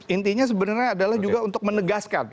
intinya sebenarnya adalah juga untuk menegaskan